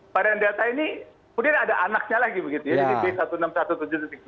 varian delta ini kemudian ada anaknya lagi begitu ya di b seribu enam ratus tujuh belas tiga